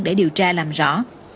để điều tra làm rõ